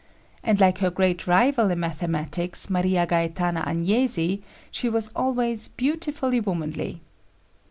And like her great rival in mathematics, Maria Gaetana Agnesi, she was always "beautifully womanly."